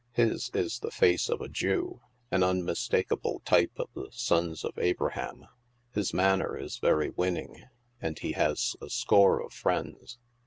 His is the face of a Jew — an unmistakable type of the sons of Abraham. His manner is very winning, and he has a score of friends.